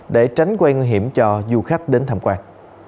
để tránh nguy hiểm cho du khách đến tham quan